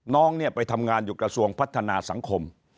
น้องเนี่ยไปทำงานอยู่กระทรวงพัฒนาสังคม